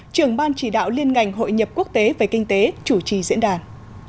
trưởng ban chỉ đạo liên ngành hội nhập quốc tế về kinh tế chủ trì diễn đàn